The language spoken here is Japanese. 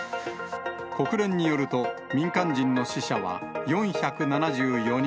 国連によると、民間人の死者は４７４人。